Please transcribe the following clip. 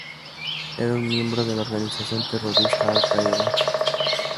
Era un miembro de la organización terrorista Al-Qaeda.